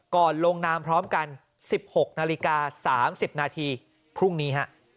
ลงนามพร้อมกัน๑๖นาฬิกา๓๐นาทีพรุ่งนี้